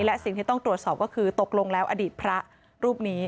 และสิ่งที่ต้องตรวจสอบก็คือตกลงแล้วอดีตพระรูปนี้